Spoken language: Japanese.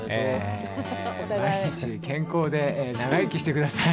毎日、健康で長生きしてください。